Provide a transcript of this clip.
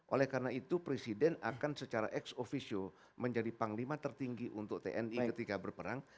oleh karena itu presiden akan secara ex officio menjadi panglima tertinggi untuk tni ketika berperang